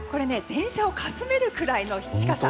電車をかすめるぐらいの近さ。